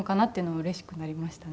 うれしくなりましたね。